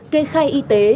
kê khai y tế